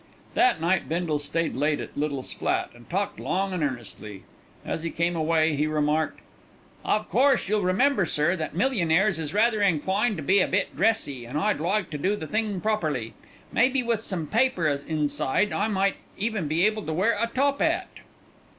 That night Bindle stayed late at Little's flat, and talked long and earnestly. As he came away he remarked: "Of course you'll remember, sir, that millionaires is rather inclined to be a bit dressy, and I'd like to do the thing properly. Maybe, with some paper inside, I might even be able to wear a top 'at."